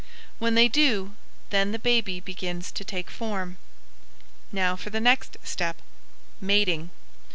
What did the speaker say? When they do, then the baby begins to take form." Now for the next step, mating.